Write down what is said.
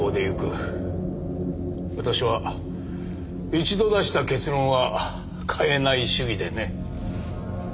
私は一度出した結論は変えない主義でね。